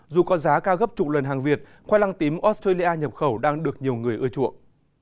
dù có giá cao gấp chục lần hàng việt khoai lang tím australia nhập khẩu đang được nhiều người ưa chuộng